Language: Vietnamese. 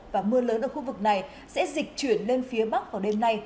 và mưa lớn ở khu vực này sẽ dịch chuyển lên phía bắc vào đêm nay